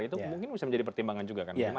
itu mungkin bisa menjadi pertimbangan juga kan